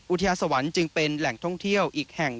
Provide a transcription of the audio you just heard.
อุทยานสวรรค์จึงเป็นแหล่งท่องเที่ยวอีกแห่ง